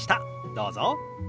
どうぞ。